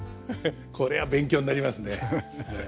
これは勉強になりますねええ。